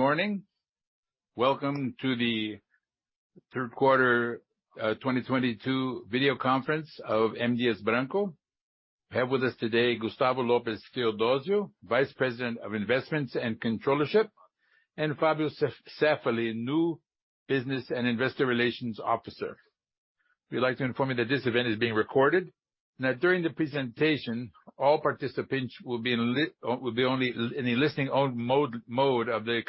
Morning. Welcome to the Third Quarter 2022 video conference of M. Dias Branco. We have with us today Gustavo Lopes Theodozio, Vice President of Investments and Controllership, and Fabio Cefaly, New Business and Investor Relations Officer. We'd like to inform you that this event is being recorded. Now, during the presentation, all participants will be only in a listening mode of the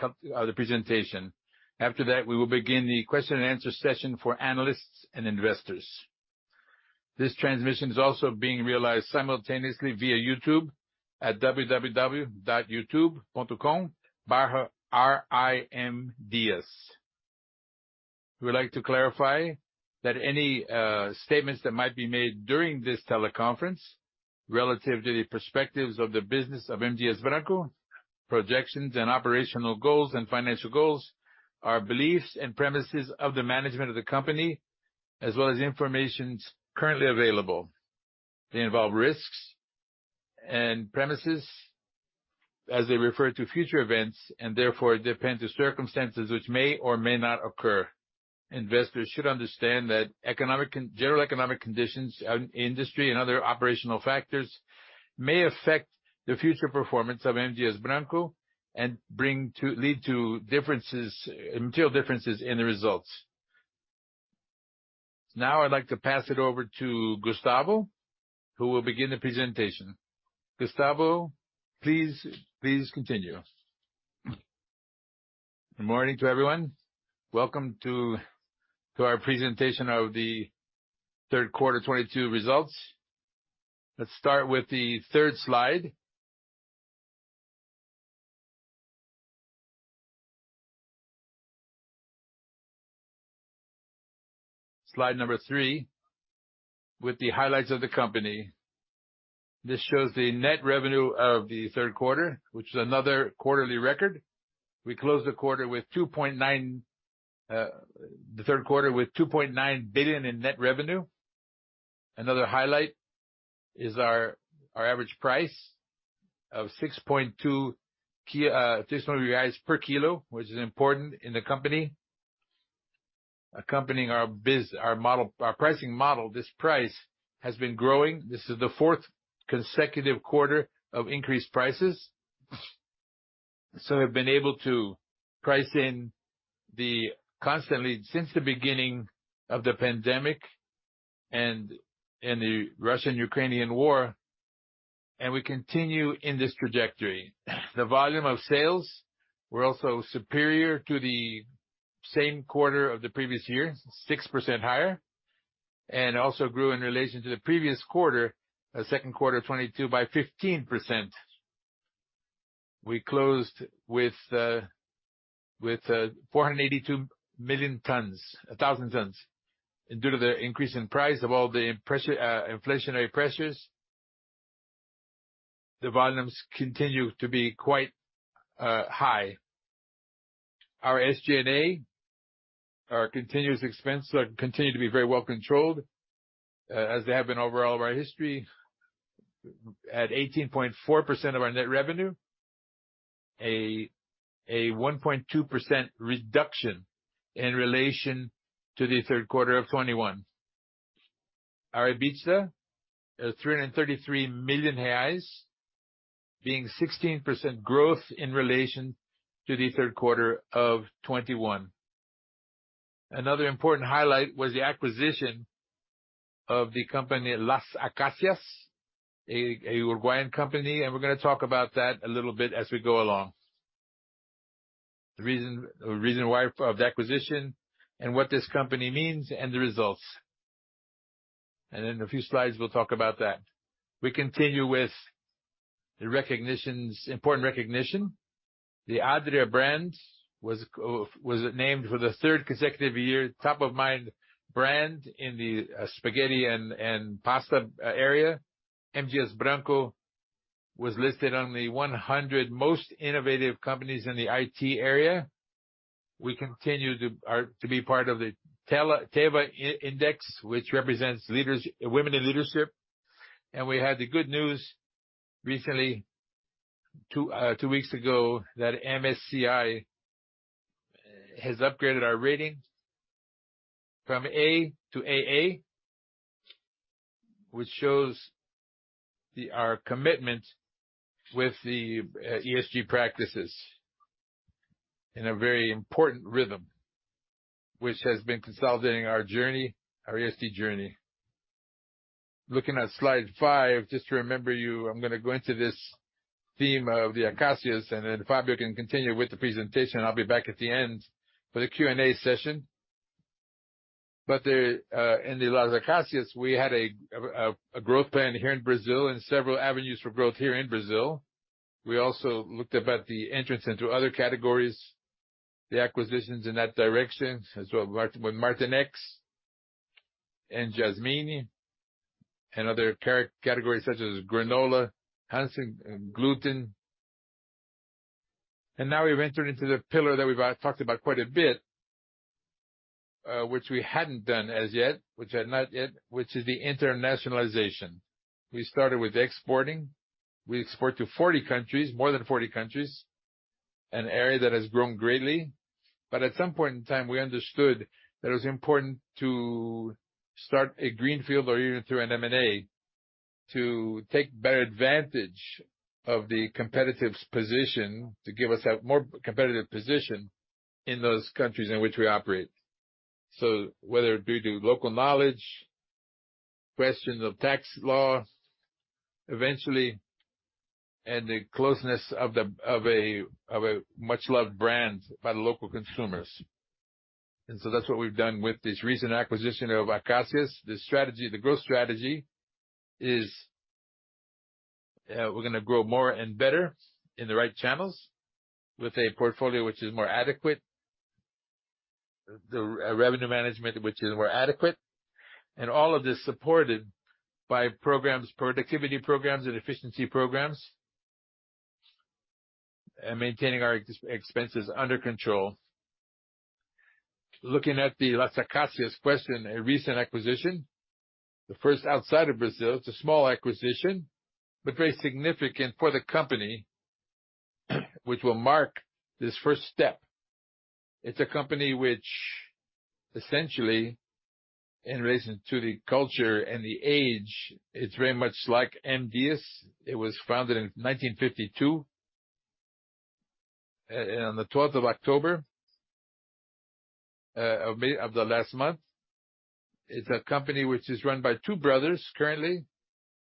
presentation. After that, we will begin the question and answer session for analysts and investors. This transmission is also being realized simultaneously via YouTube at www.youtube.com/ri.mdiasbranco. We'd like to clarify that any statements that might be made during this teleconference relative to the perspectives of the business of M. Dias Branco, projections and operational goals and financial goals, are beliefs and premises of the management of the company, as well as the information currently available. They involve risks and premises as they refer to future events, and therefore depend on circumstances which may or may not occur. Investors should understand that general economic conditions, industry and other operational factors may affect the future performance of M. Dias Branco and lead to differences, material differences in the results. Now, I'd like to pass it over to Gustavo, who will begin the presentation. Gustavo, please continue. Good morning to everyone. Welcome to our presentation of the third quarter 2022 results. Let's start with the third slide. Slide number three, with the highlights of the company. This shows the net revenue of the third quarter, which is another quarterly record. We closed the third quarter with 2.9 billion in net revenue. Another highlight is our average price of 6.2 per kilo, which is important in the company. Accompanying our model, our pricing model, this price has been growing. This is the fourth consecutive quarter of increased prices. We've been able to price in costs constantly since the beginning of the pandemic and in the Russian-Ukrainian War, and we continue in this trajectory. The volume of sales were also superior to the same quarter of the previous year, 6% higher. Also grew in relation to the previous quarter, second quarter 2022 by 15%. We closed with 482,000 tons. Due to the increase in prices despite the inflationary pressures, the volumes continue to be quite high. Our SG&A, our continuous expenses continue to be very well controlled, as they have been over all of our history. At 18.4% of our net revenue. 1.2% reduction in relation to the third quarter of 2021. Our EBITDA, 333 million reais, being 16% growth in relation to the third quarter of 2021. Another important highlight was the acquisition of the company Las Acacias, a Uruguayan company, and we're gonna talk about that a little bit as we go along. The reason why of the acquisition and what this company means and the results. In a few slides we'll talk about that. We continue with the recognitions, important recognition. The Adria brand was named for the third consecutive year, top of mind brand in the spaghetti and pasta area. M. Dias Branco was listed on the 100 most innovative companies in the IT area. We continue to be part of the Teva Indices Women in Leadership Index, which represents women in leadership. We had the good news recently two weeks ago, that MSCI has upgraded our rating from A to AA. Which shows our commitment with the ESG practices in a very important rhythm, which has been consolidating our journey, our ESG journey. Looking at slide five, just to remind you, I'm gonna go into this theme of Las Acacias, and then Fabio can continue with the presentation. I'll be back at the end for the Q&A session. In Las Acacias, we had a growth plan here in Brazil and several avenues for growth here in Brazil. We also looked about the entrance into other categories, the acquisitions in that direction, as well with Latinex and Jasmine, and other categories such as granola, Hansen, gluten. Now we've entered into the pillar that we've talked about quite a bit, which we hadn't done as yet, which is the internationalization. We started with exporting. We export to 40 countries— more than 40 countries, an area that has grown greatly. At some point in time, we understood that it was important to start a greenfield or even through an M&A to take better advantage of the competitive position to give us a more competitive position in those countries in which we operate. Whether it be due to local knowledge, questions of tax law, eventually, and the closeness of a much-loved brand by the local consumers. That's what we've done with this recent acquisition of Las Acacias. The strategy, the growth strategy is, we're gonna grow more and better in the right channels with a portfolio which is more adequate, the revenue management which is more adequate, and all of this supported by programs, productivity programs and efficiency programs, and maintaining our expenses under control. Looking at the Las Acacias question, a recent acquisition, the first outside of Brazil. It's a small acquisition, but very significant for the company, which will mark this first step. It's a company which essentially, in relation to the culture and the age, it's very much like M. Dias Branco. It was founded in 1952 and on the twelfth of October of the last month. It's a company which is run by two brothers currently,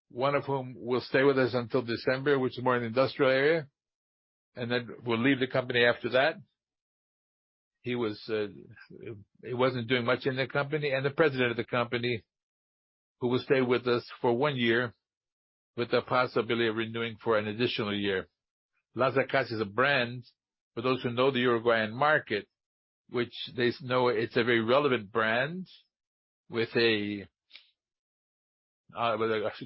one of whom will stay with us until December, which is more an industrial area, and then will leave the company after that. He wasn't doing much in the company, and the president of the company, who will stay with us for one year with the possibility of renewing for an additional year. Las Acacias is a brand for those who know the Uruguayan market, which they know it's a very relevant brand with a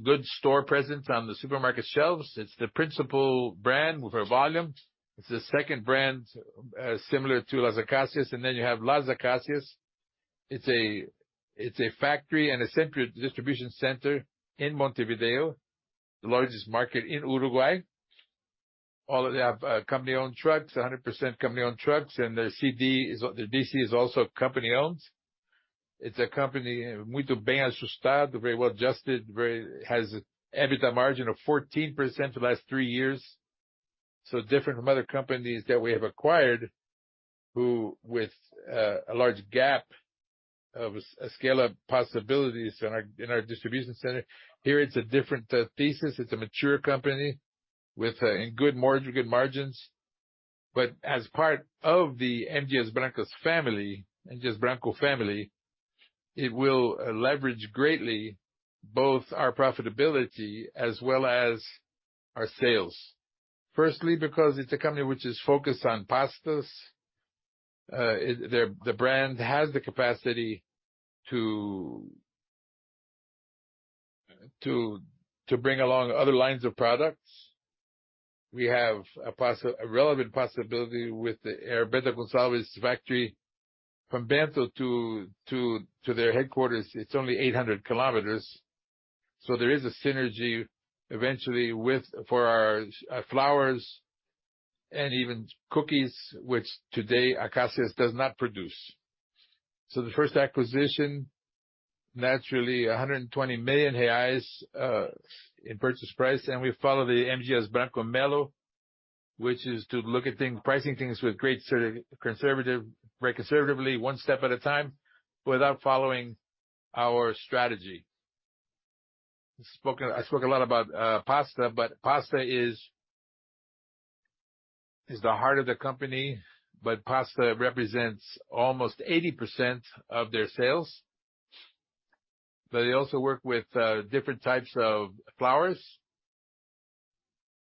good store presence on the supermarket shelves. It's the principal brand with our volume. It's the second brand, similar to Las Acacias, and then you have Las Acacias. It's a factory and a distribution center in Montevideo, the largest market in Uruguay. All of them have company-owned trucks, 100% company-owned trucks, and the DC is also company-owned. It's a company. Very well-adjusted, has EBITDA margin of 14% the last three years. Different from other companies that we have acquired which have a large gap of scale of possibilities in our distribution center. Here it's a different thesis. It's a mature company with good margins. As part of the M. Dias Branco family, it will leverage greatly both our profitability as well as our sales. Firstly, because it's a company which is focused on pastas, the brand has the capacity to bring along other lines of products. We have a relevant possibility with the Bento Gonçalves factory from Bento Gonçalves to their headquarters, it's only 800 kilometers. There is a synergy eventually with for our flours and even cookies, which today Las Acacias does not produce. The first acquisition, naturally 120 million reais in purchase price, and we follow the M. Dias Branco model, which is to look at things pricing things with great conservative very conservatively, one step at a time, without following our strategy. I spoke a lot about pasta, but pasta is the heart of the company, but pasta represents almost 80% of their sales. They also work with different types of flours.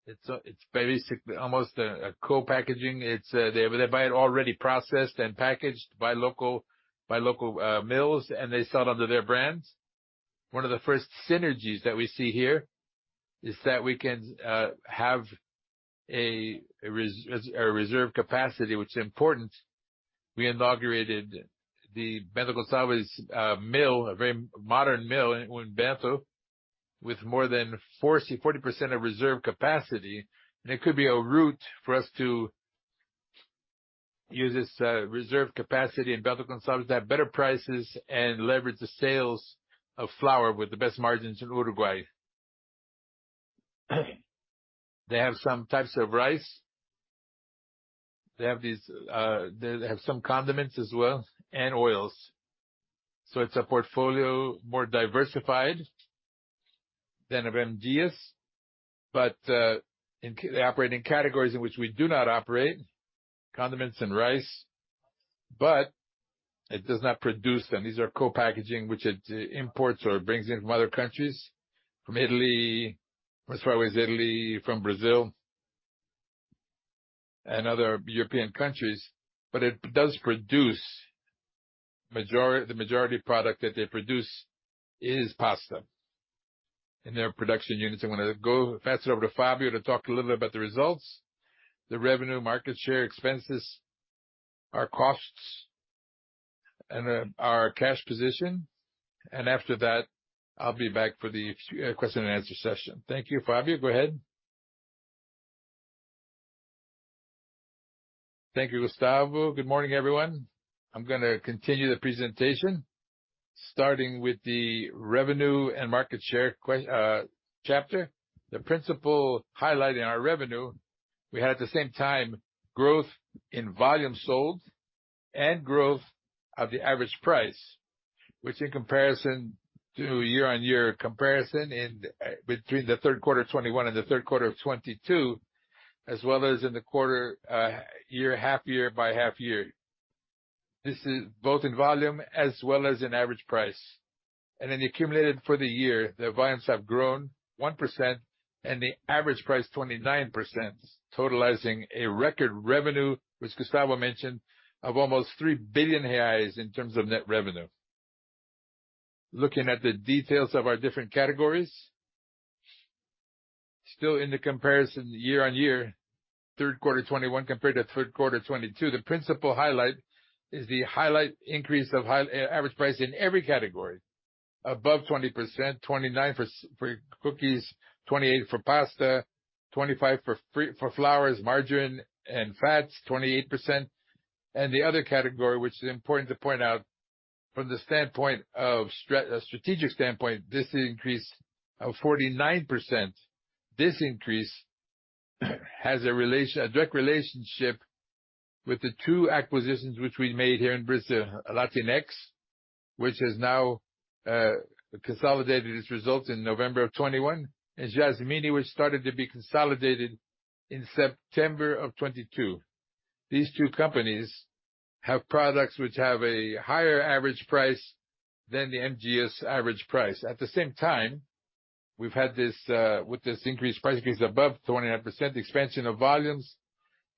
It's very significant, almost a co-packaging. They buy it already processed and packaged by local mills, and they sell it under their brands. One of the first synergies that we see here is that we can have a reserve capacity which is important. We inaugurated the Bento Gonçalves mill, a very modern mill in Bento with more than 40% of reserve capacity. It could be a route for us to use this reserve capacity in Bento Gonçalves to have better prices and leverage the sales of flour with the best margins in Uruguay. They have some types of rice. They have these, they have some condiments as well and oils. It's a portfolio more diversified than of M. Dias Branco, but they operate in categories in which we do not operate, condiments and rice, but it does not produce them. These are co-packaging which it imports or brings in from other countries, from Italy, as far away as Italy, from Brazil and other European countries. But it does produce the majority product that they produce is pasta in their production units. I'm gonna pass it over to Fabio to talk a little bit about the results, the revenue, market share, expenses, our costs, and then our cash position. After that, I'll be back for the question and answer session. Thank you. Fabio, go ahead. Thank you, Gustavo. Good morning, everyone. I'm gonna continue the presentation, starting with the revenue and market share chapter. The principal highlight in our revenue, we had, at the same time, growth in volume sold and growth of the average price, which in comparison to year-on-year comparison in between the third quarter of 2021 and the third quarter of 2022, as well as in the quarter, year, half year by half year. This is both in volume as well as in average price. Accumulated for the year, the volumes have grown 1% and the average price 29%, totalizing a record revenue, which Gustavo mentioned, of almost 3 billion reais in terms of net revenue. Looking at the details of our different categories. Still in the comparison year-on-year, third quarter 2021 compared to third quarter 2022, the principal highlight is the increase of average price in every category, above 20%, 29% for cookies, 28% for pasta, 25% for flours, margin and fats, 28%. The other category, which is important to point out from a strategic standpoint, this increase of 49%. This increase has a direct relationship with the two acquisitions which we made here in Brazil,. Latinex, which has now consolidated its results in November 2021, and Jasmine, which started to be consolidated in September 2022. These two companies have products which have a higher average price than the MGS average price. At the same time, we've had this with this increased price increase above 29%, expansion of volumes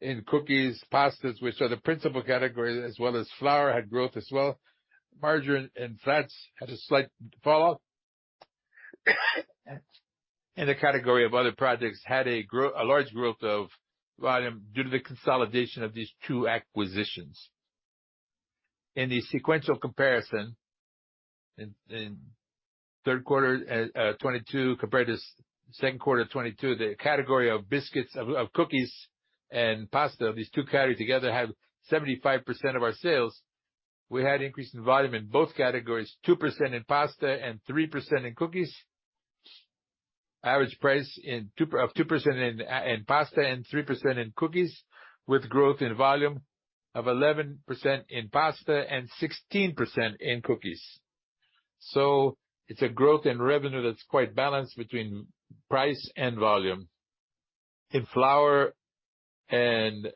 in cookies, pastas, which are the principal categories, as well as flour had growth as well. Margin and fats had a slight fall. The category of other products had a large growth of volume due to the consolidation of these two acquisitions. In the sequential comparison, third quarter 2022 compared to second quarter 2022, the category of cookies and pasta, these two categories together, have 75% of our sales. We had increase in volume in both categories, 2% in pasta and 3% in cookies. Average price of 2% in pasta and 3% in cookies, with growth in volume of 11% in pasta and 16% in cookies. It's a growth in revenue that's quite balanced between price and volume. In flour and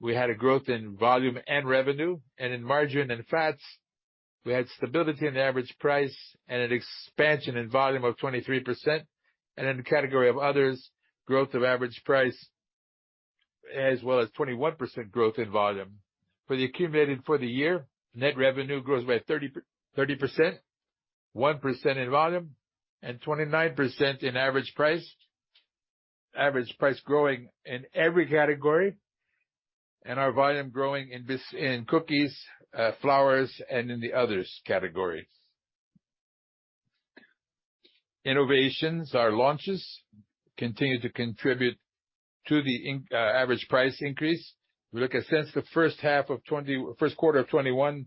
we had a growth in volume and revenue, and in margarine and fats, we had stability in the average price and an expansion in volume of 23%. In the category of others, growth of average price, as well as 21% growth in volume. For the accumulated for the year, net revenue grows by 33%, 1% in volume, and 29% in average price. Average price growing in every category, and our volume growing in cookies, flours, and in the other categories. Innovations. Our launches continue to contribute to the average price increase. We look at since the first quarter of 2021,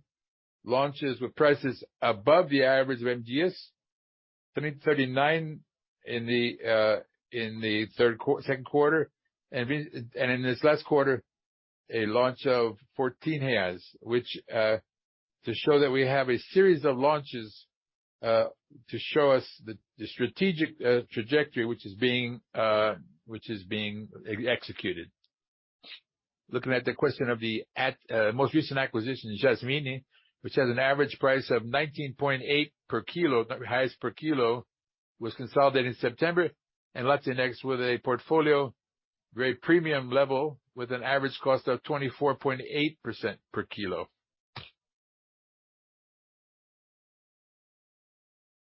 launches with prices above the average of M. Dias Branco, 39 in the second quarter, and in this last quarter, a launch of 14, which to show that we have a series of launches, to show us the strategic trajectory which is being executed. Looking at the question of the most recent acquisition, Jasmine, which has an average price of 19.8 per kilo, was consolidated in September. Latinex with a portfolio, very premium level with an average cost of 24.8 per kilo.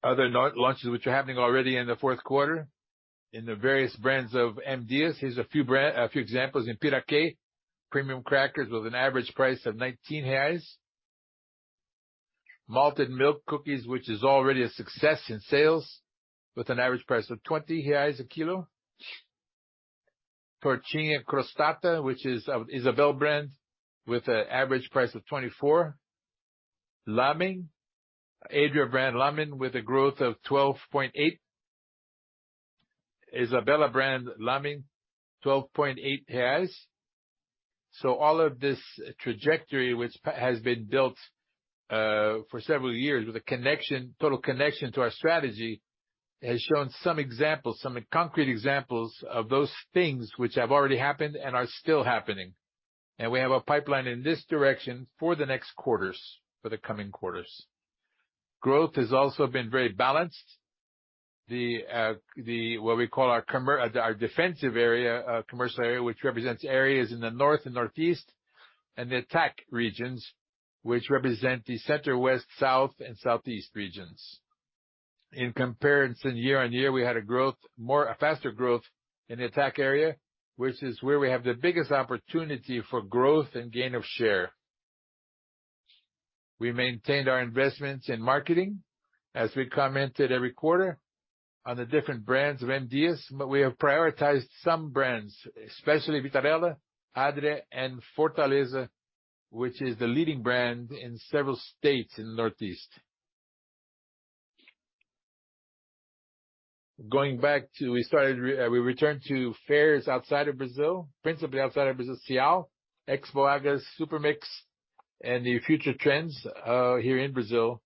Other launches which are happening already in the fourth quarter in the various brands of M. Dias Branco. Here are a few examples. In Piraquê, premium crackers with an average price of 19 reais. Malted milk cookies, which is already a success in sales, with an average price of 20 reais a kilo. Tortinhas Crostata, which is an Isabela brand, with an average price of 24. Lámen, Adria brand Lámen with a growth of 12.8%. Isabela brand Lámen, BRL 12.8. All of this trajectory, which has been built for several years with a connection, total connection to our strategy, has shown some examples, some concrete examples of those things which have already happened and are still happening. We have a pipeline in this direction for the next quarters, for the coming quarters. Growth has also been very balanced. What we call our defensive area, commercial area, which represents areas in the North and Northeast, and the attack regions, which represent the Center-West, South and Southeast regions. In comparison, year-on-year, we had a faster growth in the attack area, which is where we have the biggest opportunity for growth and gain of share. We maintained our investments in marketing as we commented every quarter on the different brands of M. Dias Branco, but we have prioritized some brands, especially Vitarella, Adria and Fortaleza, which is the leading brand in several states in Northeast. Going back to where we started, we returned to fairs outside of Brazil, principally outside of Brazil, SIAL, Expoagas, Supermix, and the Future Trends here in Brazil,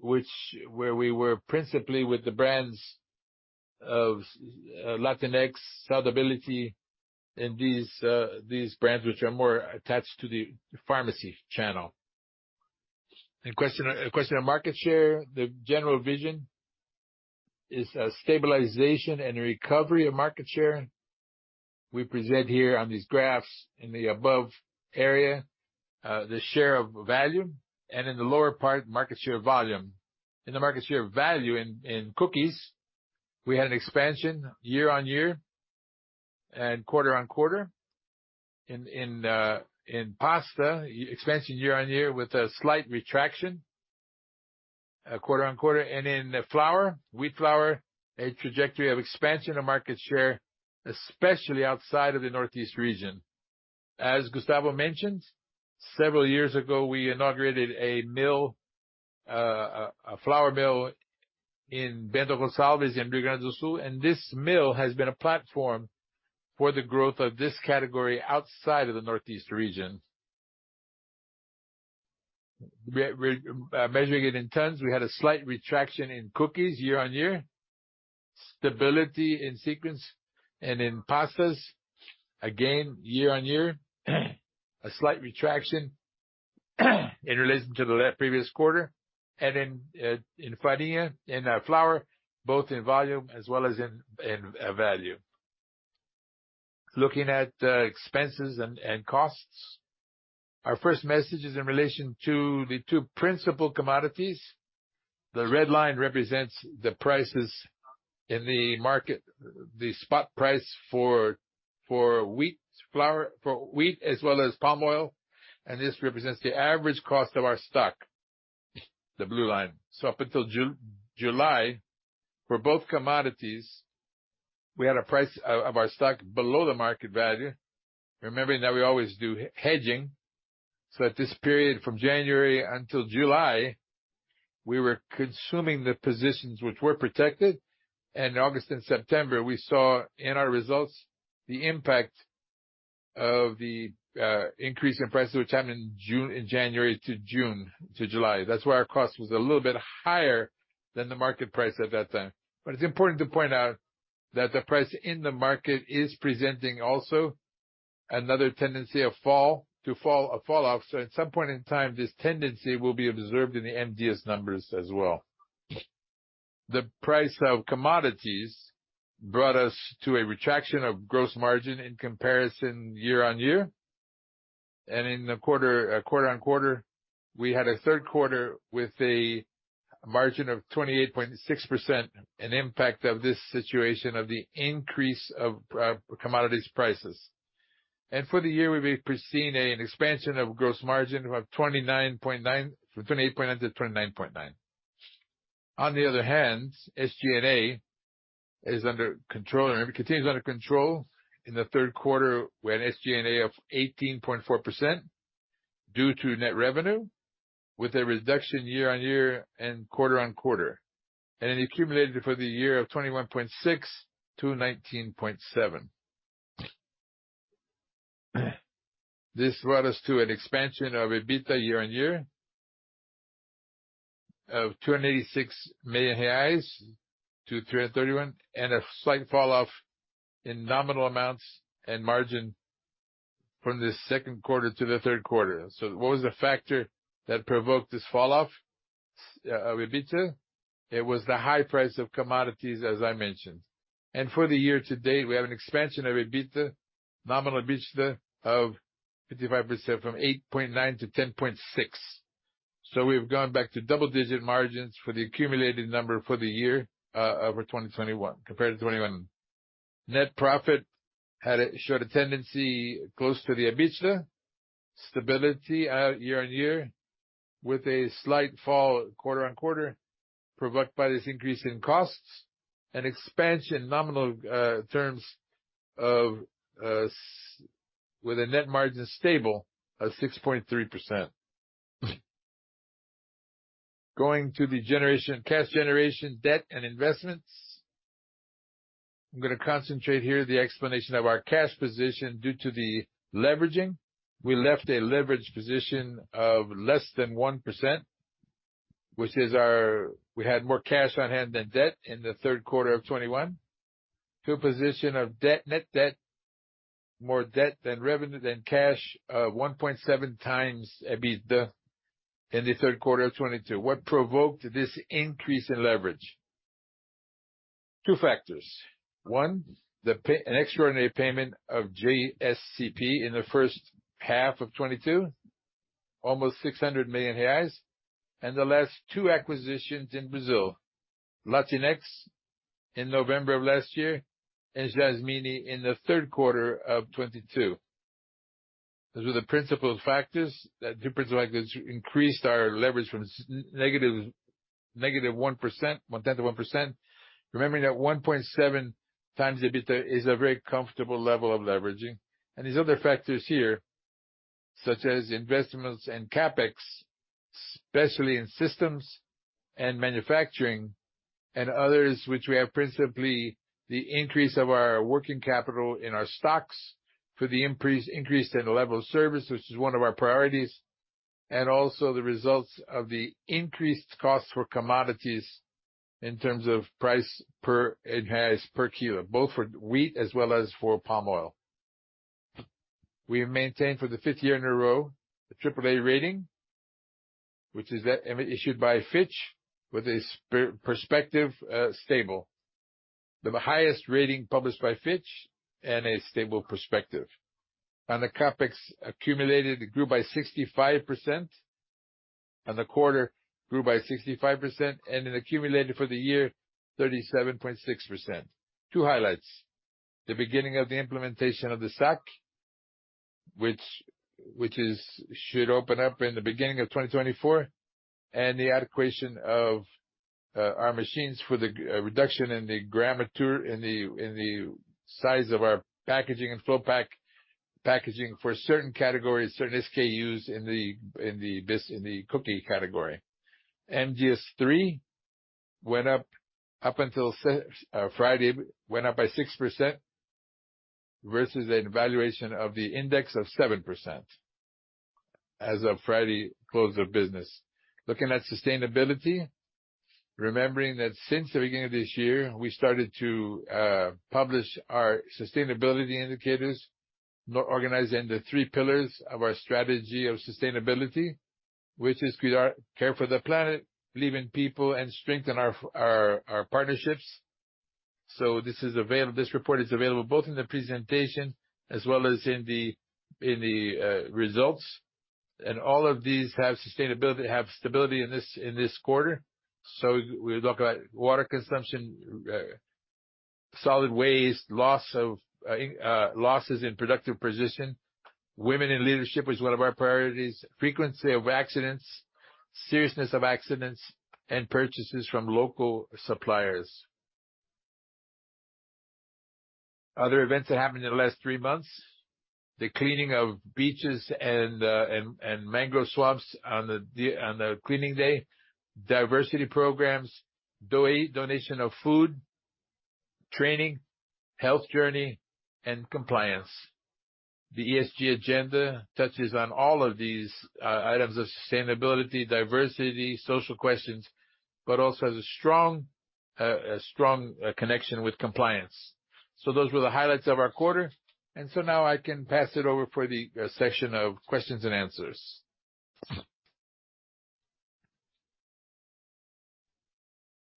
where we were principally with the brands of Latinex, Saudabilidade and these brands which are more attached to the pharmacy channel. A question on market share. The general vision is a stabilization and recovery of market share. We present here on these graphs in the above area, the share of value and in the lower part, market share volume. In the market share value in pasta expansion year-over-year with a slight contraction quarter-over-quarter. In wheat flour, a trajectory of expansion of market share, especially outside of the Northeast region. As Gustavo mentioned, several years ago, we inaugurated a mill, a flour mill in Bento Gonçalves in Rio Grande do Sul, and this mill has been a platform for the growth of this category outside of the Northeast region. We're measuring it in tons. We had a slight contraction in cookies year-on-year, stability in sequence and in pastas again year-on-year, a slight contraction in relation to the previous quarter and in farinha, in flour, both in volume as well as in value. Looking at expenses and costs. Our first message is in relation to the two principal commodities. The red line represents the prices in the market, the spot price for wheat as well as palm oil, and this represents the average cost of our stock, the blue line. Up until July, for both commodities, we had a price of our stock below the market value. Remembering that we always do hedging. At this period, from January until July, we were consuming the positions which were protected. August and September, we saw in our results the impact of the increase in prices, which happened from January to July. That's why our cost was a little bit higher than the market price at that time. It's important to point out that the price in the market is presenting also another tendency to fall. At some point in time, this tendency will be observed in the M. Dias numbers as well. The price of commodities brought us to a retraction of gross margin in comparison year-on-year and in the quarter-on-quarter. We had a third quarter with a margin of 28.6%, an impact of this situation of the increase of commodities prices. For the year, we've seen an expansion of gross margin of 29.9% from 28.9%-29.9%. On the other hand, SG&A is under control and it continues under control. In the third quarter we had an SG&A of 18.4% of net revenue, with a reduction year-over-year and quarter-over-quarter, and an accumulated for the year of 21.6%-19.7%. This brought us to an expansion of EBITDA year-over-year of 286 million reais to 331 million and a slight fall off in nominal amounts and margin from the second quarter to the third quarter. What was the factor that provoked this fall-off of EBITDA? It was the high price of commodities, as I mentioned. For the year to date, we have an expansion of EBITDA, nominal EBITDA of 55% from 8.9% to 10.6%. We've gone back to double-digit margins for the accumulated number for the year over 21% compared to 21%. Net profit showed a tendency close to the EBITDA stability year-on-year with a slight fall quarter-on-quarter, provoked by this increase in costs and expansion in nominal terms of with a net margin stable of 6.3%. Going to the cash generation debt and investments. I'm gonna concentrate here the explanation of our cash position due to the leveraging. We left a leveraged position of less than 1%. We had more cash on hand than debt in the third quarter of 2021 to a position of net debt, more debt than cash, 1.7x EBITDA in the third quarter of 2022. What provoked this increase in leverage? Two factors. One, an extraordinary payment of JCP in the first half of 2022, almost 600 million reais, and the last two acquisitions in Brazil, Latinex in November of last year, and Jasmine in the third quarter of 2022. Those were the principal factors that two principal factors increased our leverage from negative 1%, 0.1%. Remembering that 1.7x the EBITDA is a very comfortable level of leverage. These other factors here, such as investments in CapEx, especially in systems and manufacturing and others, which we have principally the increase of our working capital in our stocks for the increase in level of service, which is one of our priorities, and also the results of the increased cost for commodities in terms of price in reais per kilo, both for wheat as well as for palm oil. We have maintained for the fifth year in a row the AAA rating, which is issued by Fitch with a stable perspective, the highest rating published by Fitch and a stable perspective. The CapEx accumulated grew by 65%, and the quarter grew by 65%, and it accumulated for the year, 37.6%. Two highlights, the beginning of the implementation of the SAP, which is should open up in the beginning of 2024, and the allocation of our machines for the reduction in the gramatura, in the size of our packaging and flow pack packaging for certain categories, certain SKUs in the cookie category. MDIA3 went up until Friday, went up by 6% versus a valuation of the index of 7% as of Friday close of business. Looking at sustainability, remembering that since the beginning of this year, we started to publish our sustainability indicators, now organized into three pillars of our strategy of sustainability, which is with our care for the planet, believe in people, and strengthen our partnerships. This report is available both in the presentation as well as in the results. All of these have sustainability, stability in this quarter. We'll talk about water consumption, solid waste, losses in productive position. Women in leadership is one of our priorities. Frequency of accidents, seriousness of accidents, and purchases from local suppliers. Other events that happened in the last three months, the cleaning of beaches and mangrove swamps on the cleaning day, diversity programs, donation of food, training, health journey, and compliance. The ESG agenda touches on all of these items of sustainability, diversity, social questions, but also has a strong connection with compliance. Those were the highlights of our quarter, and now I can pass it over for the session of questions and answers.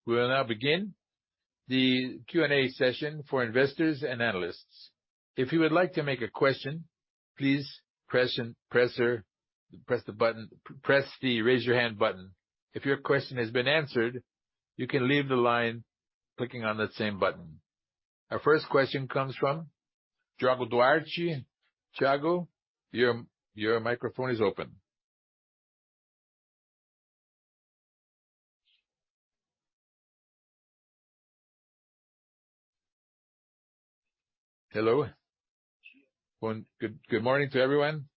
We will now begin the Q&A session for investors and analysts. If you would like to make a question, please press the raise your hand button. If your question has been answered, you can leave the line clicking on that same button. Our first question comes from Thiago Duarte. Thiago, your microphone is open. Hello. Good morning to everyone,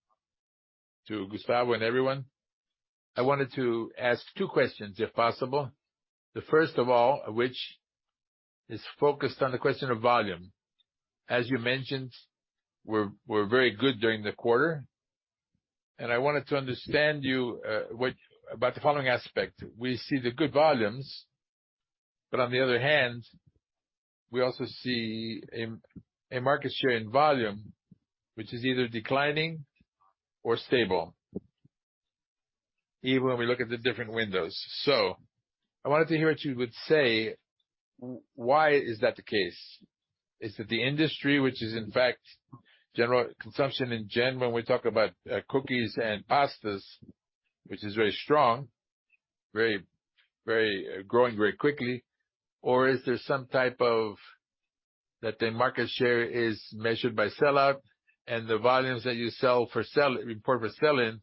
to Gustavo and everyone. I wanted to ask two questions, if possible. The first of all, which is focused on the question of volume. As you mentioned, we're very good during the quarter, and I wanted to understand you, what about the following aspect. We see the good volumes, but on the other hand, we also see a market share in volume, which is either declining or stable, even when we look at the different windows. I wanted to hear what you would say, why is that the case? Is it the industry which is in fact general consumption in general, when we talk about cookies and pastas, which is very strong, growing very quickly, or is there some type of that the market share is measured by sell-out and the volumes that you report for sell-in,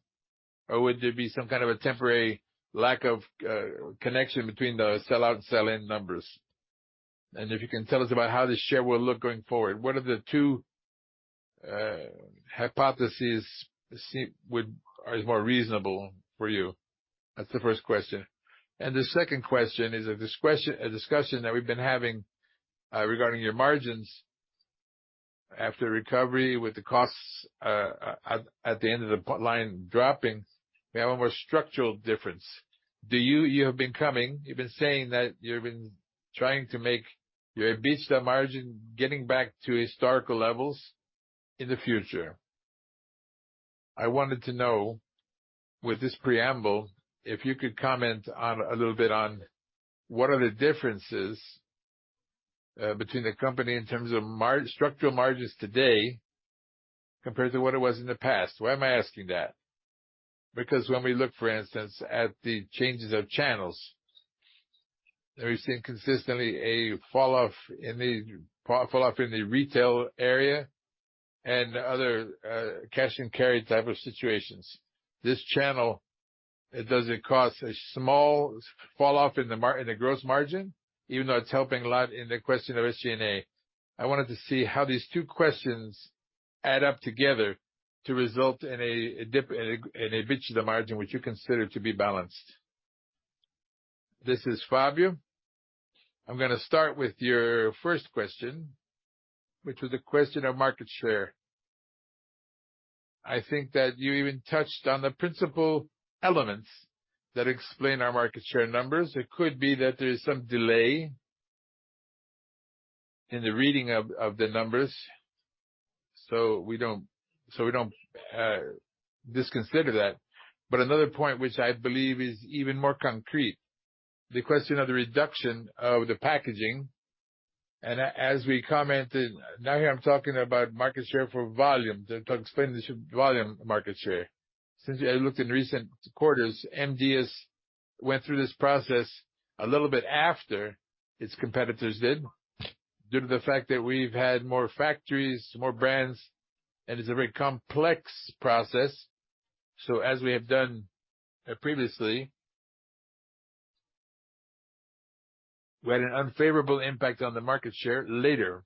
or would there be some kind of a temporary lack of connection between the sell-out and sell-in numbers? If you can tell us about how the share will look going forward. Which of the two hypotheses seem more reasonable for you? That's the first question. The second question is a discussion that we've been having regarding your margins. After recovery with the costs, at the end of the line dropping, we have a more structural difference. You've been saying that you've been trying to make your EBITDA margin getting back to historical levels in the future. I wanted to know, with this preamble, if you could comment on a little bit on what are the differences between the company in terms of structural margins today compared to what it was in the past. Why am I asking that? Because when we look, for instance, at the changes of channels, we've seen consistently a fall-off in the retail area and other cash and carry type of situations. This channel, does it cost a small fall-off in the gross margin, even though it's helping a lot in the question of SG&A? I wanted to see how these two questions add up together to result in a dip in a bit of the margin which you consider to be balanced. This is Fabio. I'm gonna start with your first question, which is the question of market share. I think that you even touched on the principal elements that explain our market share numbers. It could be that there is some delay in the reading of the numbers, so we don't discount that. Another point which I believe is even more concrete, the question of the reduction of the packaging, and as we commented. Now here I'm talking about market share for volume. To explain the volume market share. Since I looked in recent quarters, M. Dias Branco went through this process a little bit after its competitors did, due to the fact that we've had more factories, more brands, and it's a very complex process. As we have done previously, we had an unfavorable impact on the market share later.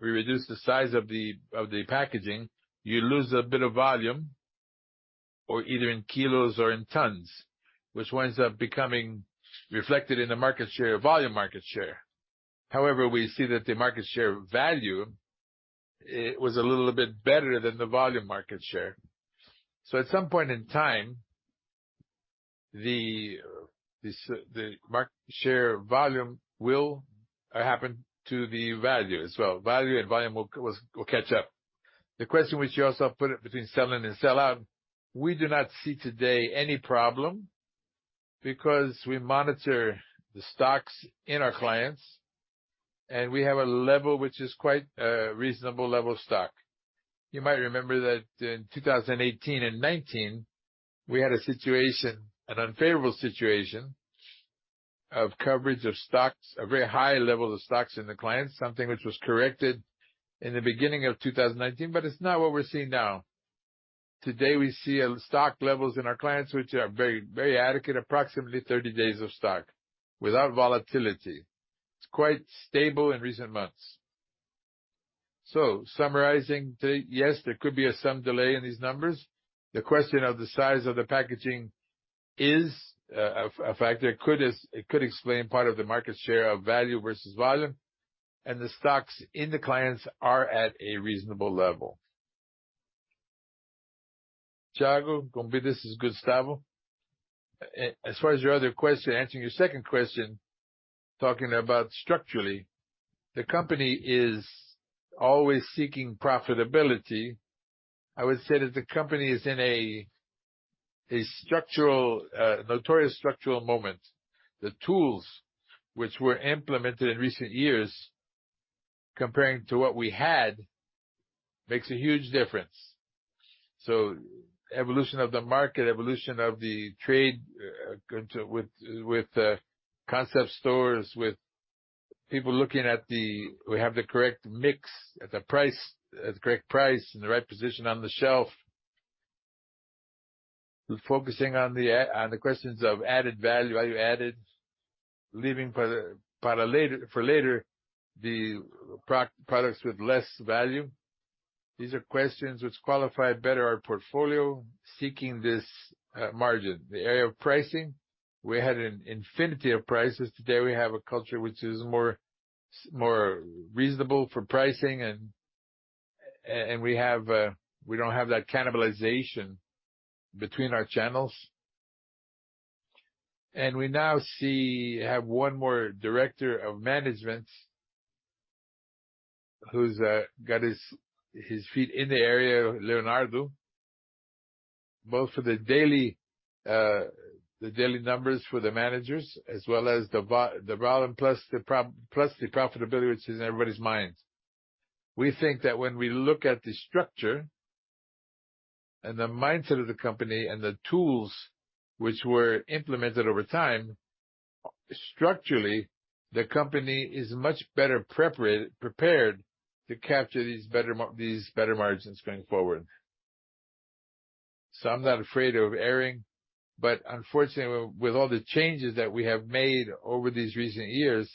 We reduced the size of the packaging. You lose a bit of volume or either in kilos or in tons, which winds up becoming reflected in the market share, volume market share. However, we see that the market share value, it was a little bit better than the volume market share. At some point in time, the market share volume will happen to the value as well. Value and volume will catch up. The question which you also put it between sell-in and sell-out, we do not see today any problem because we monitor the stocks in our clients, and we have a level which is quite a reasonable level of stock. You might remember that in 2018 and 2019, we had a situation, an unfavorable situation of coverage of stocks, a very high level of stocks in the clients, something which was corrected in the beginning of 2019, but it's not what we're seeing now. Today, we see stock levels in our clients which are very adequate, approximately 30 days of stock without volatility. It's quite stable in recent months. Summarizing, yes, there could be some delay in these numbers. The question of the size of the packaging is a factor. It could explain part of the market share of value versus volume, and the stocks in the clients are at a reasonable level. Thiago, this is Gustavo. As far as your other question, answering your second question, talking about structurally, the company is always seeking profitability. I would say that the company is in a structural, notorious structural moment. The tools which were implemented in recent years comparing to what we had makes a huge difference. Evolution of the market, evolution of the trade, with concept stores, with people looking at the. We have the correct mix at the price, at the correct price, in the right position on the shelf. We're focusing on the questions of added value added, leaving for later the products with less value. These are questions which qualify better our portfolio seeking this margin. The area of pricing, we had an infinity of prices. Today, we have a culture which is more reasonable for pricing and we don't have that cannibalization between our channels. We now see we have one more director of management who's got his feet in the area, Leonardo, both for the daily numbers for the managers as well as the volume plus the profitability which is in everybody's minds. We think that when we look at the structure and the mindset of the company and the tools which were implemented over time, structurally, the company is much better prepared to capture these better margins going forward. I'm not afraid of erring, but unfortunately, with all the changes that we have made over these recent years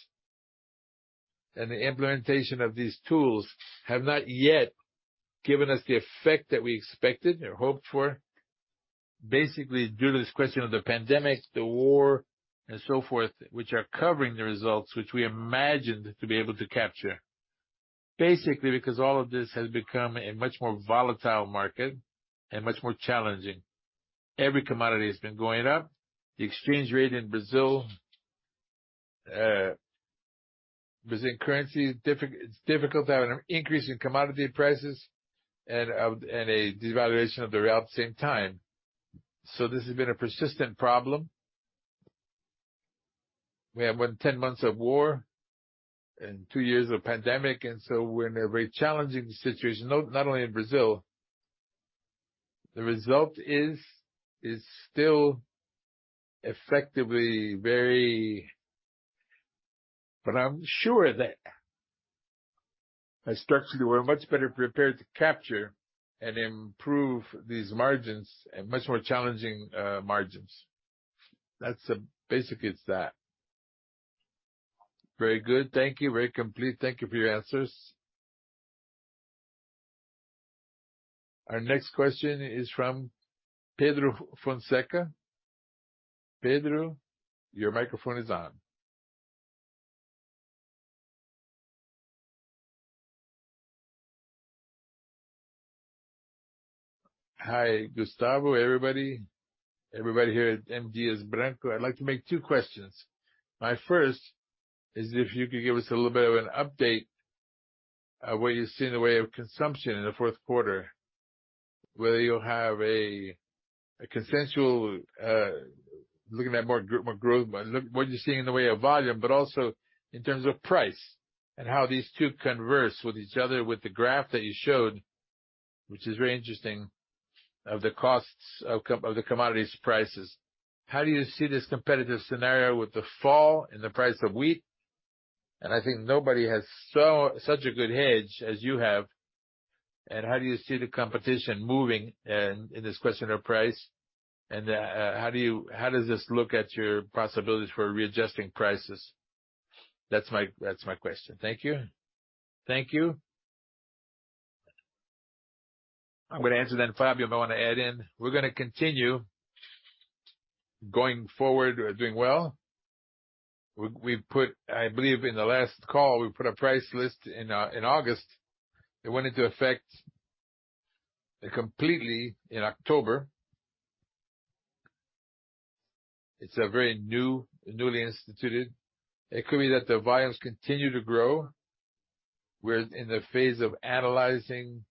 and the implementation of these tools have not yet given us the effect that we expected or hoped for, basically due to this question of the pandemic, the war, and so forth, which are covering the results which we imagined to be able to capture. Basically, because all of this has become a much more volatile market and much more challenging. Every commodity has been going up. The exchange rate in Brazil, Brazilian currency it's difficult to have an increase in commodity prices and a devaluation of the real at the same time. This has been a persistent problem. We have went 10 months of war and two years of pandemic, and so we're in a very challenging situation, not only in Brazil. The result is still effectively very. But I'm sure that our structures were much better prepared to capture and improve these margins and much more challenging margins. That's basically it. Very good. Thank you. Very complete. Thank you for your answers. Our next question is from Pedro Fonseca. Pedro, your microphone is on. Hi, Gustavo, everybody. Everybody here at M. Dias Branco. I'd like to make two questions. My first is if you could give us a little bit of an update of what you see in the way of consumption in the fourth quarter, whether you'll have a consensus looking at more growth, but look what you're seeing in the way of volume, but also in terms of price and how these two converge with each other with the graph that you showed, which is very interesting, of the costs of the commodities prices. How do you see this competitive scenario with the fall in the price of wheat? I think nobody has such a good hedge as you have. How do you see the competition moving in this question of price? How does this look at your possibilities for readjusting prices? That's my question. Thank you. I'm gonna answer then, Fabio, if you wanna add in. We're gonna continue going forward, we're doing well. I believe in the last call, we put a price list in in August. It went into effect completely in October. It's a very new, newly instituted. It could be that the volumes continue to grow. We're in the phase of analyzing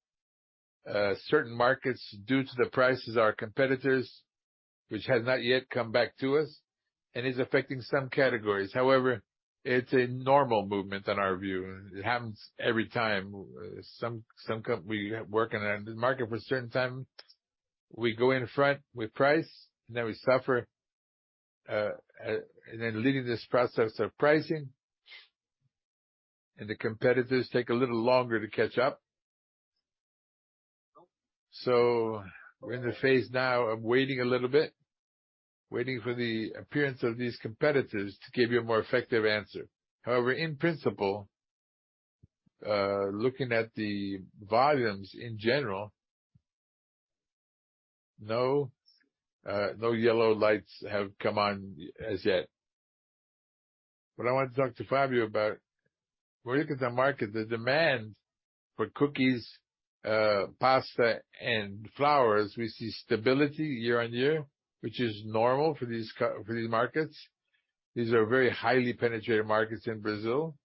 certain markets due to the prices our competitors, which has not yet come back to us, and is affecting some categories. However, it's a normal movement on our view. It happens every time. We work in a market for a certain time, we go in front with price, and then we suffer and then leading this process of pricing, and the competitors take a little longer to catch up. We're in the phase now of waiting a little bit, waiting for the appearance of these competitors to give you a more effective answer. However, in principle, looking at the volumes in general, no yellow lights have come on as yet. What I want to talk to Fabio about, when you look at the market, the demand for cookies, pasta, and flours, we see stability year-on-year, which is normal for these markets. These are very highly penetrated markets in Brazil.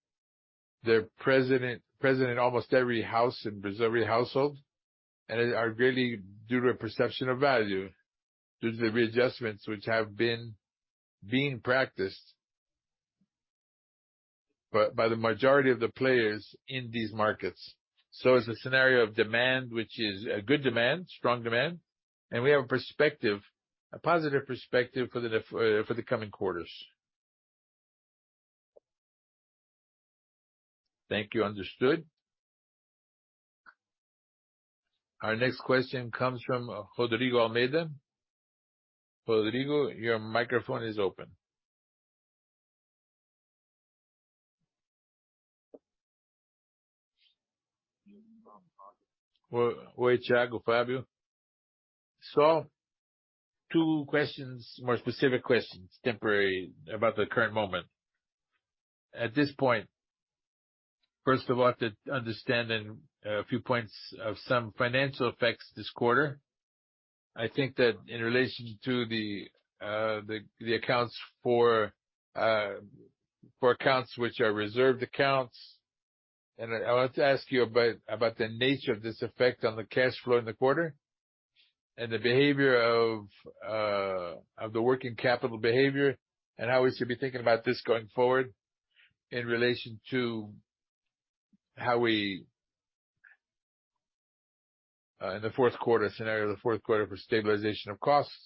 They're present in almost every house in Brazil, every household, and are really due to a perception of value, due to the readjustments being practiced by the majority of the players in these markets. It's a scenario of demand, which is a good demand, strong demand, and we have a perspective, a positive perspective for the coming quarters. Thank you. Understood. Our next question comes from Rodrigo Almeida. Rodrigo, your microphone is open. Well, Thiago, Fabio. Two questions, more specific questions temporarily about the current moment. At this point, first of all, to understand in a few points some financial effects this quarter, I think that in relation to the accounts for accounts which are reserved accounts. I want to ask you about the nature of this effect on the cash flow in the quarter and the behavior of the working capital behavior, and how we should be thinking about this going forward in relation to how we... In the fourth quarter scenario, the fourth quarter for stabilization of costs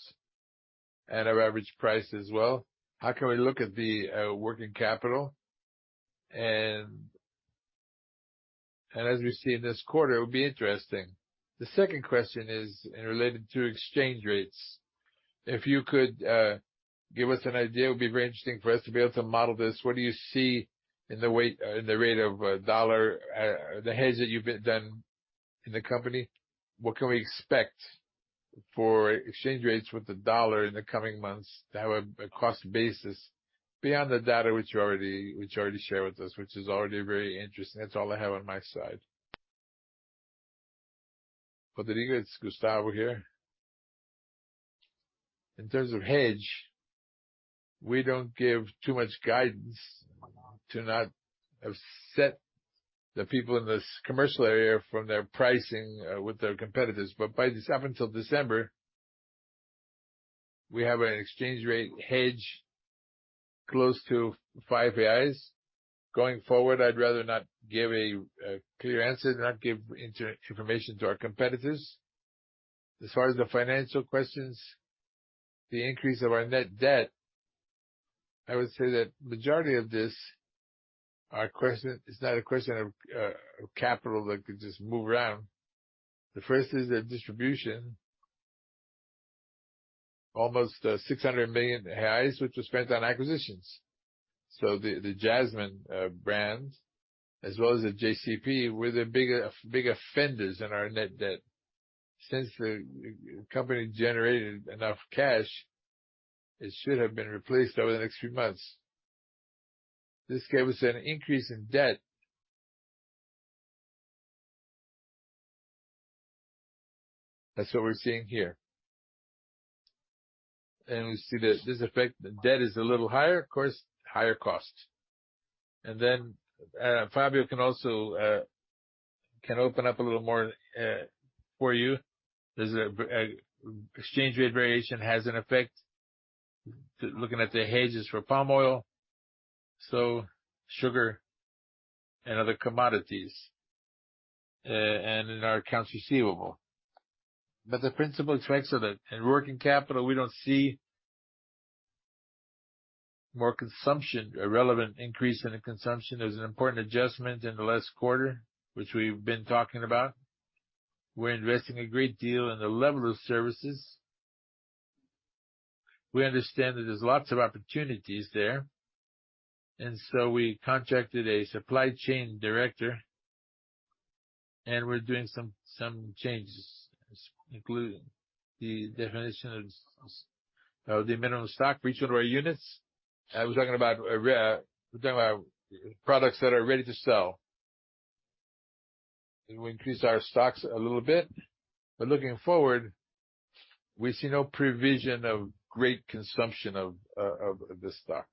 and our average price as well, how can we look at the working capital and as we see in this quarter, it would be interesting. The second question is in relation to exchange rates. If you could give us an idea, it would be very interesting for us to be able to model this. What do you see in the rate of the dollar, the hedge that you've done in the company? What can we expect for exchange rates with the dollar in the coming months to have a cost basis beyond the data which you already shared with us, which is already very interesting. That's all I have on my side. Rodrigo, Gustavo here. In terms of hedge, we don't give too much guidance to not upset the people in this commercial area from their pricing with their competitors. Up until December, we have an exchange-rate hedge close to 5 reais. Going forward, I'd rather not give a clear answer, not give internal information to our competitors. As far as the financial questions, the increase of our net debt, I would say that majority of this are—it's not a question of capital that could just move around. The first is the distribution. Almost 600 million reais, which was spent on acquisitions. The Jasmine brand, as well as the JCP, were the big offenders in our net debt. Since the company generated enough cash, it should have been replaced over the next few months. This gave us an increase in debt. That's what we're seeing here. We see that this effect, the debt is a little higher, of course, higher cost. Fabio can also open up a little more for you. The exchange rate variation has an effect, looking at the hedges for palm oil, so sugar and other commodities, and in our accounts receivable. The principle is excellent. In working capital, we don't see a more relevant increase in the consumption. There's an important adjustment in the last quarter, which we've been talking about. We're investing a great deal in the level of services. We understand that there's lots of opportunities there, we contracted a supply chain director, and we're doing some changes, including the definition of the minimum stock for each of our units. I was talking about—I'm talking about products that are ready to sell. We increased our stocks a little bit, but looking forward, we see no provision of great consumption of the stock.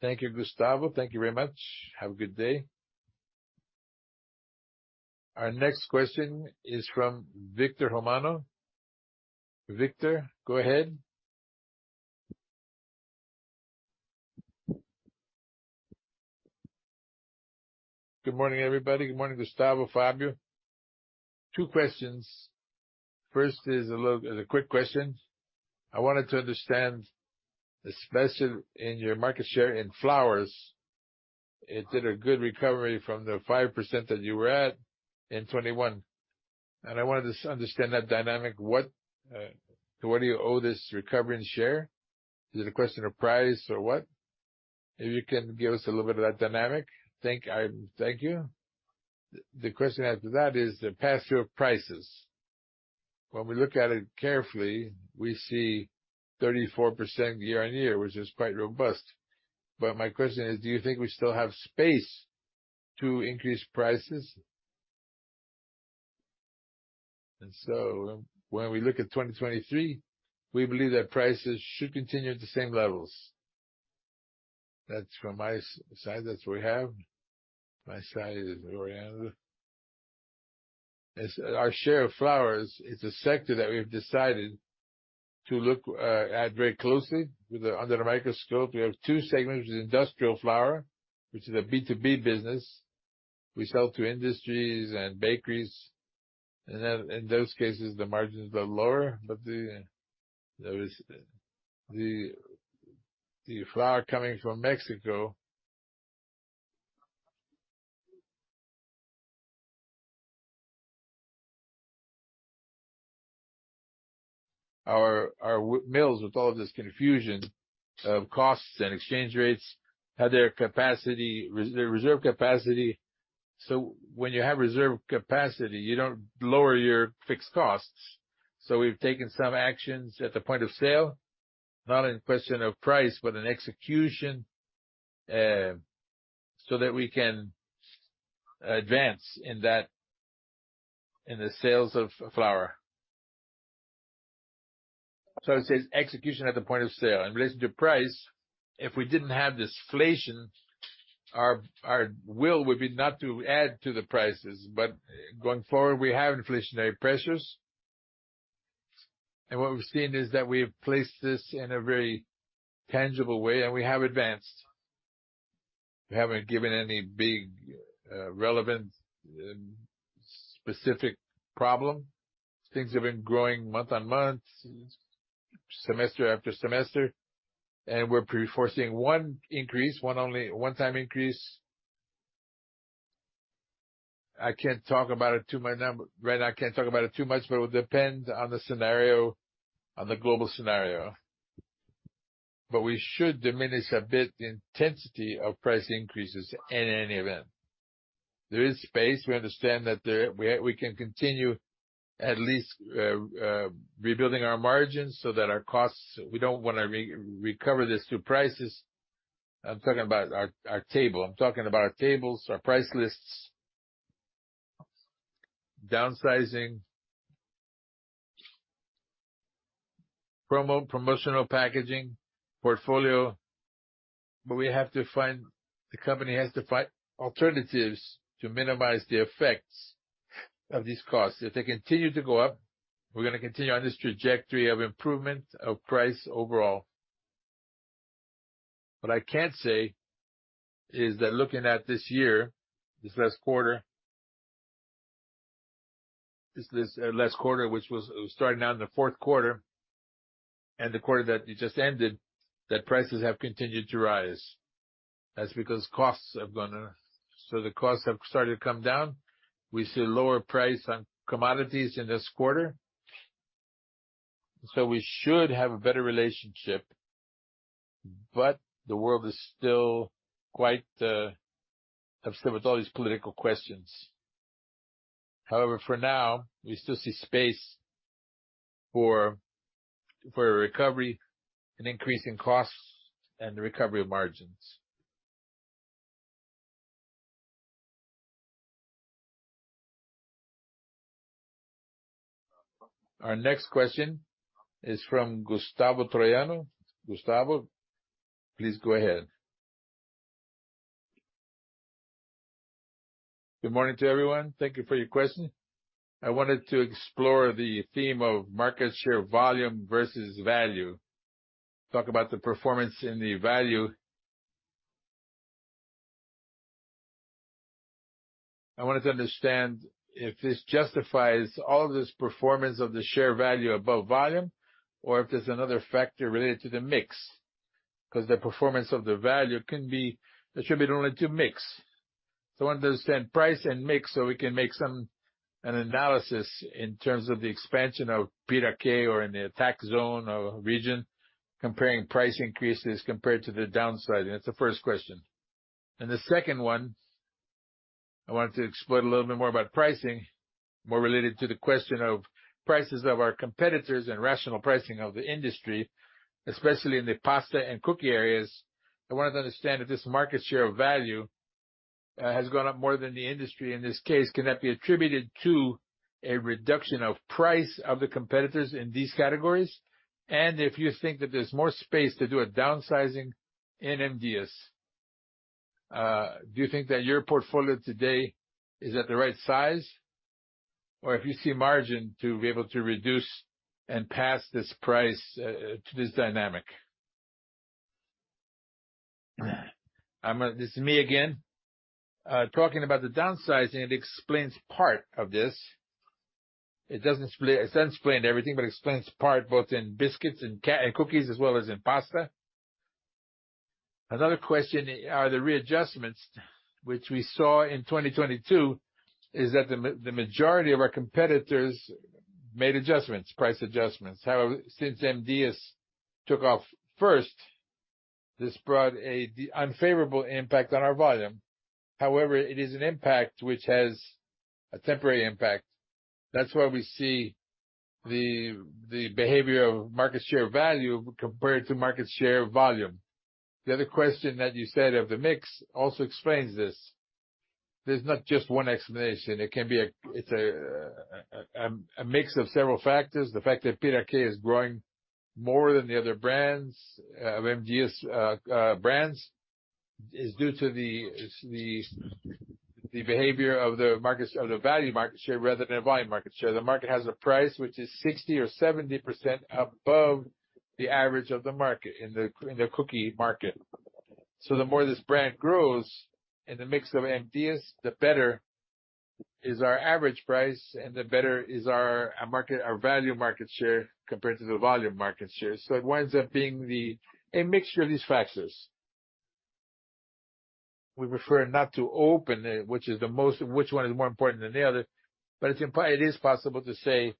Thank you, Gustavo. Thank you very much. Have a good day. Our next question is from Victor Romano. Victor, go ahead. Good morning, everybody. Good morning, Gustavo, Fabio. Two questions. First is a quick question. I wanted to understand, especially in your market share in flour, it did a good recovery from the 5% that you were at in 2021, and I wanted to understand that dynamic. What to what do you owe this recovery in share? Is it a question of price or what? If you can give us a little bit of that dynamic. Thank you. The question after that is the pass-through of prices. When we look at it carefully, we see 34% year-on-year, which is quite robust. My question is: Do you think we still have space to increase prices? When we look at 2023, we believe that prices should continue at the same levels. That's from my side, that's what we have. My side is oriented. As our share of flour is, it's a sector that we've decided to look at very closely under the microscope. We have two segments, which is industrial flour, which is a B2B business. We sell to industries and bakeries. In those cases, the margins are lower, but there is the flour coming from Mexico. Our wheat mills, with all of this confusion of costs and exchange rates, had their reserve capacity. When you have reserve capacity, you don't lower your fixed costs. We've taken some actions at the point of sale, not in question of price, but in execution, so that we can advance in that, in the sales of flour. It says execution at the point of sale. In relation to price, if we didn't have this inflation, our will would be not to add to the prices. Going forward, we have inflationary pressures. What we've seen is that we have placed this in a very tangible way, and we have advanced. We haven't given any big, relevant, specific problem. Things have been growing month-on-month, semester after semester, and we're foreseeing one time increase. Right now, I can't talk about it too much, but it will depend on the scenario, on the global scenario. We should diminish a bit the intensity of price increases in any event. There is space. We understand that we can continue at least rebuilding our margins so that our costs. We don't wanna recover this through prices. I'm talking about our table. I'm talking about our tables, our price lists, downsizing, promotional packaging, portfolio. The company has to find alternatives to minimize the effects of these costs. If they continue to go up, we're gonna continue on this trajectory of improvement of price overall. What I can say is that looking at this year, this last quarter, which was starting out in the fourth quarter and the quarter that it just ended, that prices have continued to rise. That's because costs have started to come down. We see lower price on commodities in this quarter. So we should have a better relationship. But the world is still quite obsessed with all these political questions. However, for now, we still see space for a recovery, an increase in costs and the recovery of margins. Our next question is from Gustavo Troyano. Gustavo, please go ahead. Good morning to everyone. Thank you for your question. I wanted to explore the theme of market share volume versus value. Talk about the performance in the value. I wanted to understand if this justifies all of this performance of the share value above volume, or if there's another factor related to the mix. 'Cause the performance of the value can be attributed only to mix. I want to understand price and mix so we can make an analysis in terms of the expansion of Piraquê or in the attack zone or region comparing price increases compared to the downsizing. That's the first question. The second one, I wanted to explore a little bit more about pricing, more related to the question of prices of our competitors and rational pricing of the industry, especially in the pasta and cookie areas. I wanted to understand if this market share value has gone up more than the industry. In this case, can that be attributed to a reduction of price of the competitors in these categories? If you think that there's more space to do a downsizing in M. Dias Branco. Do you think that your portfolio today is at the right size, or if you see margin to be able to reduce and pass this price to this dynamic? This is me again. Talking about the downsizing, it explains part of this. It doesn't explain everything, but it explains part, both in biscuits and cookies as well as in pasta. Another question are the readjustments, which we saw in 2022, is that the majority of our competitors made adjustments, price adjustments. However, since M. Dias Branco took off first, this brought an unfavorable impact on our volume. However, it is an impact which has a temporary impact. That's why we see the behavior of market share value compared to market share volume. The other question that you said of the mix also explains this. There's not just one explanation. It can be a It's a mix of several factors. The fact that Piraquê is growing more than the other brands of M. Dias Branco is due to the behavior of the value market share rather than a volume market share. The market has a price which is 60% or 70% above the average of the market in the cookie market. The more this brand grows in the mix of M. Dias Branco, the better is our average price and the better is our market, our value market share compared to the volume market share. It winds up being a mixture of these factors. We prefer not to open it, which one is more important than the other, but it is possible to say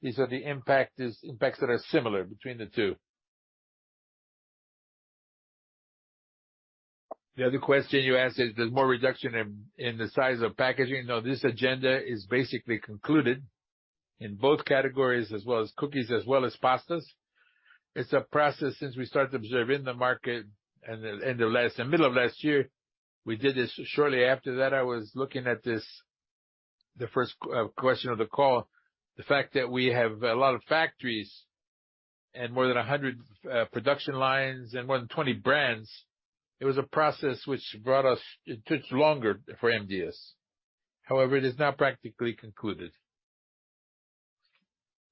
these are the impacts that are similar between the two. The other question you asked is, there's more reduction in the size of packaging. No, this agenda is basically concluded in both categories, as well as cookies as well as pastas. It's a process since we started to observe in the market the middle of last year. We did this shortly after that. I was looking at this, the first question of the call. The fact that we have a lot of factories and more than 100 production lines and more than 20 brands, it was a process it took longer for M. Dias Branco. However, it is now practically concluded.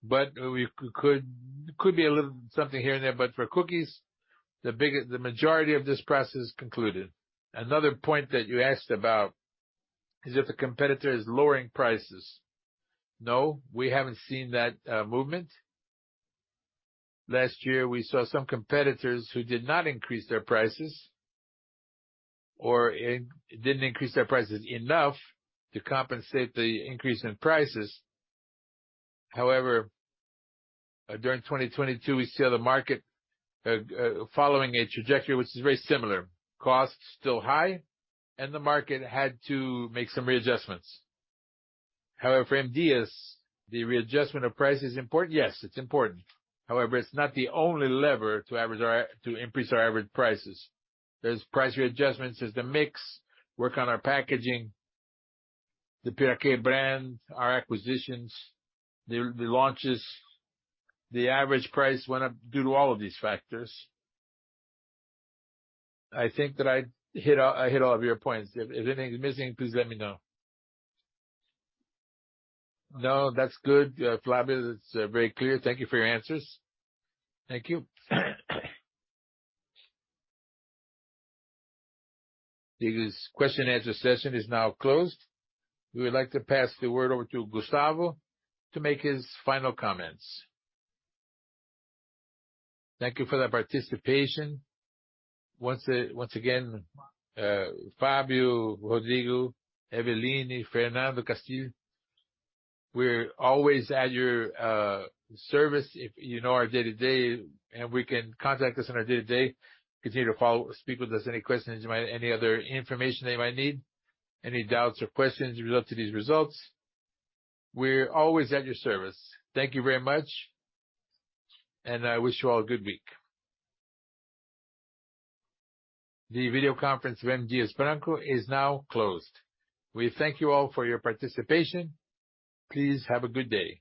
We could be a little something here and there, but for cookies, the majority of this process is concluded. Another point that you asked about is if the competitor is lowering prices. No, we haven't seen that movement. Last year, we saw some competitors who did not increase their prices or didn't increase their prices enough to compensate the increase in prices. However, during 2022, we saw the market following a trajectory which is very similar. Costs still high, and the market had to make some readjustments. However, for M. Dias Branco, the readjustment of price is important. Yes, it's important. However, it's not the only lever to increase our average prices. There's price readjustments, there's the mix, work on our packaging, the Piraquê brand, our acquisitions, the launches. The average price went up due to all of these factors. I think that I hit all of your points. If anything's missing, please let me know. No, that's good. Fabio, it's very clear. Thank you for your answers. Thank you. The question and answer session is now closed. We would like to pass the word over to Gustavo to make his final comments. Thank you for that participation. Once again, Fabio, Rodrigo, Eveline, Fernando, Gustavo Theodozio, we're always at your service. You know our day-to-day and you can contact us on our day-to-day, speak with us any other information that you might need, any doubts or questions related to these results. We're always at your service. Thank you very much, and I wish you all a good week. The video conference of M. Dias Branco is now closed. We thank you all for your participation. Please have a good day.